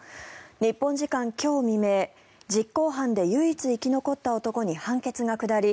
日本時間今日未明実行犯で唯一生き残った男に判決が下り